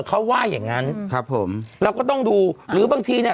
เขาว่าอย่างงั้นครับผมเราก็ต้องดูหรือบางทีเนี้ย